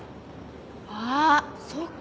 あっそっか！